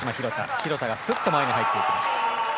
廣田がすっと前に入っていきました。